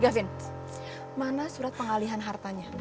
gavin mana surat pengalihan hartanya